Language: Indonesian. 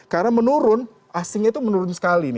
karena menurun asingnya itu menurun sekali